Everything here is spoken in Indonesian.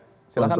ya silahkan pak